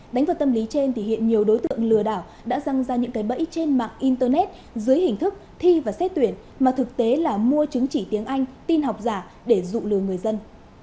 đánh vào tâm lý trên thì hiện nhiều đối tượng lừa đảo đã răng ra những cái bẫy trên mạng internet dưới hình thức thi và xét tuyển mà thực tế là mua chứng chỉ tiếng anh tin học giả để dụ lừa người dân